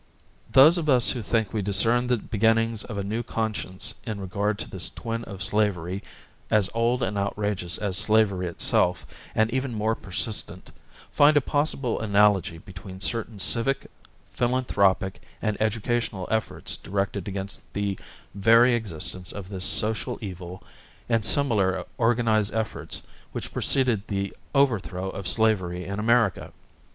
Those of us who think we discern the beginnings of a new conscience in regard to this twin of slavery, as old and outrageous as slavery itself and even more persistent, find a possible analogy between certain civic, philanthropic and educational efforts directed against the very existence of this social evil and similar organized efforts which preceded the overthrow of slavery in America.